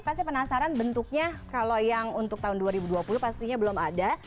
pasti penasaran bentuknya kalau yang untuk tahun dua ribu dua puluh pastinya belum ada